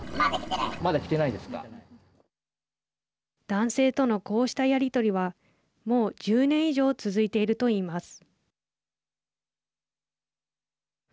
男性とのこうしたやり取りはもう１０年以上続いているといいます。